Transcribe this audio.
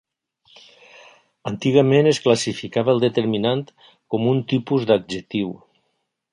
Antigament es classificava el determinant com un tipus d'adjectiu.